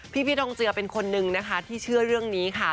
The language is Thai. พี่ดงเจือเป็นคนนึงนะคะที่เชื่อเรื่องนี้ค่ะ